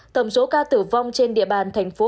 tổng số ca tử vong trên địa bàn tp hcm là một ca